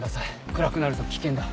暗くなると危険だ。